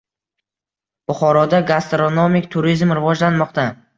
Buxoroda gastronomik turizm rivojlanmoqda